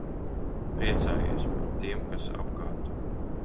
Priecājies par tiem, kas apkārt.